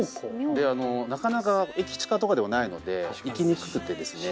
なかなか駅近とかではないので行きにくくてですね。